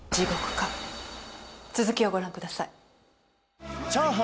続きをご覧ください。